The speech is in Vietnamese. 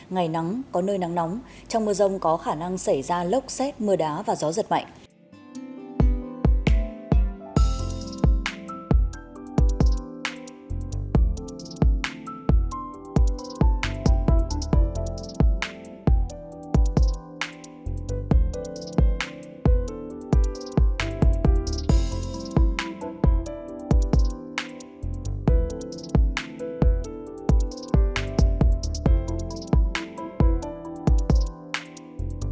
ngày nắng có nơi nắng nóng trong mưa rông có khả năng xảy ra lốc xét mưa đá và gió giật mạnh